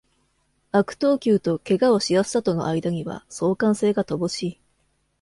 悪投球と怪我をしやすさとの間には、相関性が乏しい。